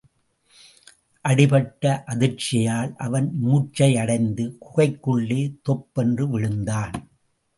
அடிபட்ட அதிர்ச்சியால் அவன் மூர்ச்சையடைந்து குகைக்குள்ளே தொப்பென்று விழுந்தான்.